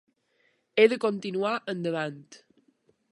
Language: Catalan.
He de continuar endavant.